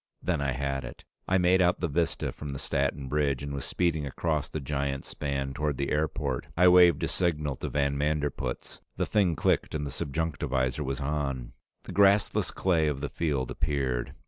Then I had it. I made out the vista from the Staten Bridge, and was speeding across the giant span toward the airport. I waved a signal to van Manderpootz, the thing clicked, and the subjunctivisor was on. The grassless clay of the field appeared.